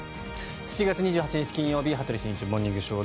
７月２８日、金曜日「羽鳥慎一モーニングショー」。